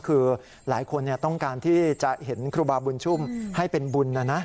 คือหลายคนต้องการที่จะเห็นครูบาบุญชุ่มให้เป็นบุญนะนะ